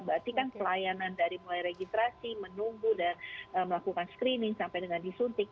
berarti kan pelayanan dari mulai registrasi menunggu dan melakukan screening sampai dengan disuntik